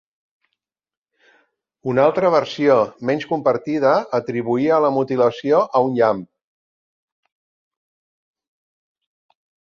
Una altra versió, menys compartida, atribuïa la mutilació a un llamp.